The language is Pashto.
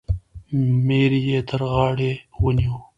میر یې تر غاړه ونیوی.